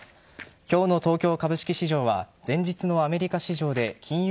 今日の東京株式市場は前日のアメリカ市場で金融